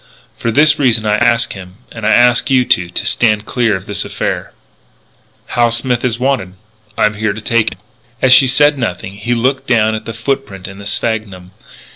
For this reason I ask him, and I ask you too, to stand clear of this affair. "Hal Smith is wanted. I'm here to take him." As she said nothing, he looked down at the foot print in the sphagnum.